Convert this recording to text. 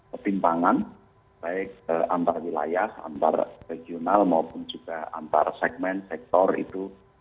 ketimpangan baik antar wilayah antar regional maupun juga antar segmen sektor itu